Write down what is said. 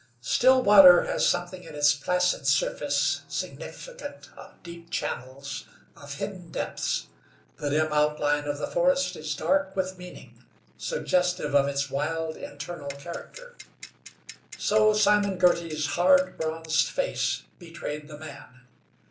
Still water has something in its placid surface significant of deep channels, of hidden depths; the dim outline of the forest is dark with meaning, suggestive of its wild internal character. So Simon Girty's hard, bronzed face betrayed the man.